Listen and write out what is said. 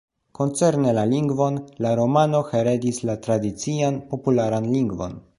Koncerne la lingvon, la romano heredis la tradician popularan lingvon.